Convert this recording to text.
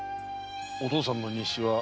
お父さんの日誌は今でも？